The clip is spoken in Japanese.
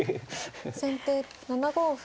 先手７五歩。